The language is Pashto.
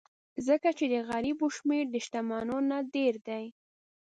ځکه چې د غریبو شمېر د شتمنو نه ډېر دی.